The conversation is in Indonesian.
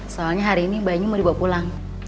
soalnya hari ini bayinya mau dibawa pulang